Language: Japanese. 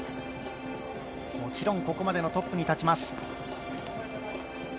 もちろんここまでのトップに立ちます。